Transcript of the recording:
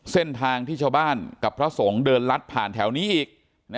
เส้นทางที่ชาวบ้านกับพระสงฆ์เดินลัดผ่านแถวนี้อีก